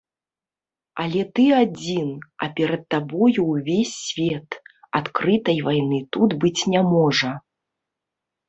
Але ты адзін, а перад табою ўвесь свет, адкрытай вайны тут быць не можа.